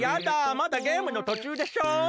まだゲームのとちゅうでしょ！？